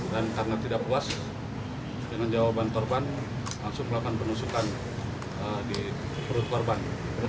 dan karena tidak puas dengan jawaban korban langsung melakukan penusukan di perut korban